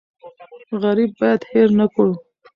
غریب باید هېر نکړو.